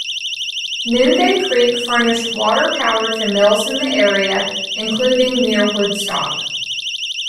Noonday Creek furnished water power to mills in the area, including near Woodstock.